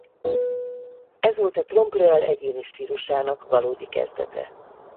Ez volt a trompe-l’oeil egyéni stílusának valódi kezdete.